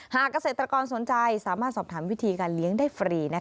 เกษตรกรสนใจสามารถสอบถามวิธีการเลี้ยงได้ฟรี